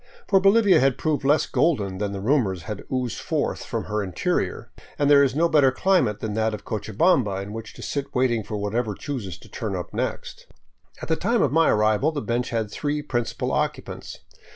For Bolivia had proved less golden than the rumors that had oozed forth from her interior, and there is no better climate than that of Cochabamba in which to sit waiting for whatever chooses to turn up next. At the time of my arrival the bench had three principal occupants.